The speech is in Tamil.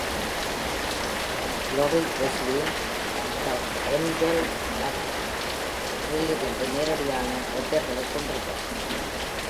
Lori Vesely, The Endwell Pubன் க்ரில்லிலிருந்து நேரடியான ஒற்றர்களைக் கொண்டிருந்தார்.